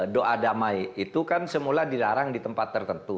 doa damai itu kan semula dilarang di tempat tertentu